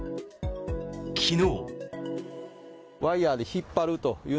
昨日。